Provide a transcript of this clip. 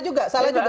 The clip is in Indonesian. jadi salah juga